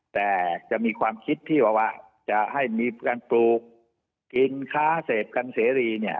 แต่จะมีความคิดที่ว่าจะให้มีการปลูกกินค้าเสพกันเสรีเนี่ย